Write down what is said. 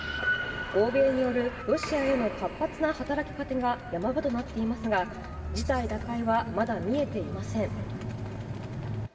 欧米によるロシアへの活発な働きかけが山場となっていますが事態打開はまだ見えていません。